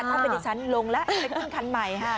ถ้าเป็นดิฉันลงแล้วไปขึ้นคันใหม่ค่ะ